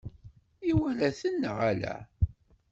Iwala-ten neɣ ala?